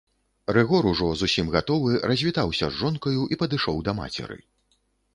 Рыгор, ужо зусім гатовы, развітаўся з жонкаю і падышоў да мацеры.